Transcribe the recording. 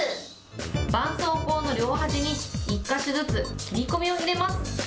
ばんそうこうの両端に、１か所ずつ切り込みを入れます。